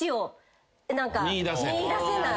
見いだせない？